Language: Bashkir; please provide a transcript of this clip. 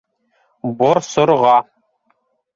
Борсорға!